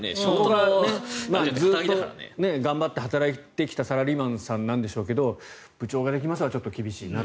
ずっと頑張って働いてきたサラリーマンさんなんでしょうけど部長ができますはちょっと厳しいなと。